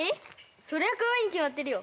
そりゃカワイイに決まってるよ。